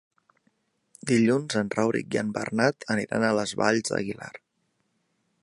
Dilluns en Rauric i en Bernat aniran a les Valls d'Aguilar.